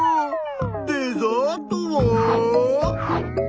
デザートは？